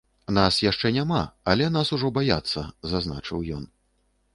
Нас яшчэ няма, але нас ужо баяцца, зазначыў ён.